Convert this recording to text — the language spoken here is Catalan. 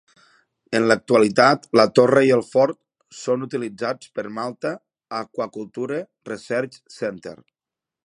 En l'actualitat, la torre i el fort són utilitzats pel Malta Aquaculture Research Centre